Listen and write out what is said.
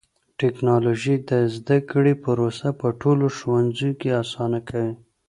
ټکنالوژي د زده کړې پروسه په ټولو ښوونځيو کې آسانه کوي.